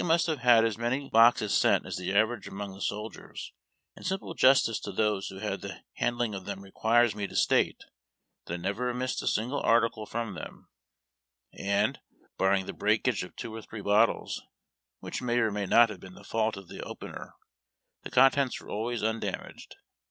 must have had as many boxes sent as tlie average aniong the soldiers, and simple justice to those who had the hand ling of them requires me to state that I never missed a single article from them, and, barring the br(?akage of two or three bottles, which may or may not have been the fault of the opener, the contents were always undamaged.